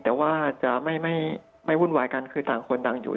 แต่ว่าจะไม่วุ่นวายกันคือต่างคนต่างอยู่